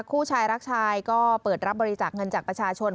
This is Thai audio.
คู่ชายรักชายก็เปิดรับบริจาคเงินจากประชาชน